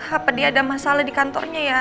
apa dia ada masalah di kantornya ya